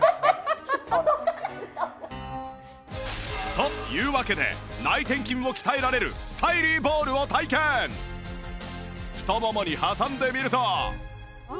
というわけで内転筋を鍛えられる太ももに挟んでみると